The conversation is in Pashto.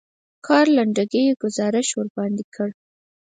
کار لنډکی ګزارش وړاندې کړ.